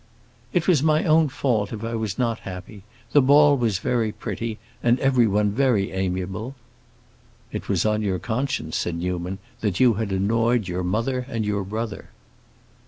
"It was my own fault if I was not happy. The ball was very pretty, and everyone very amiable." "It was on your conscience," said Newman, "that you had annoyed your mother and your brother."